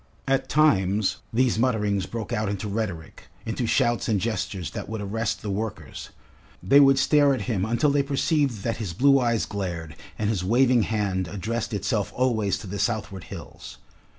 At times these mutterings broke out into rhetoric, into shouts and gestures that would arrest the workers; they would stare at him until they perceived that his blue eyes glared and his waving hand addressed itself always to the southward hills.